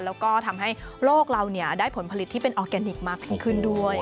แล้วก็ทำให้โลกเราได้ผลผลิตที่เป็นออร์แกนิคมากยิ่งขึ้นด้วย